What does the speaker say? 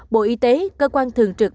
bộ y tế cơ quan thường trực